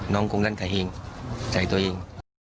น้องกงลั่นใส่ตัวเอง